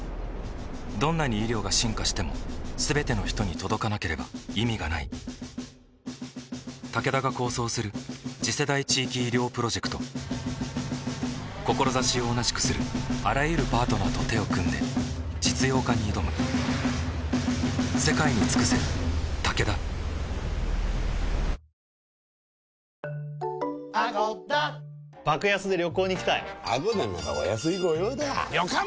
どんなに医療が進化しても全ての人に届かなければ意味がないタケダが構想する次世代地域医療プロジェクト志を同じくするあらゆるパートナーと手を組んで実用化に挑む続いての相手は原口あきまさファミリーです。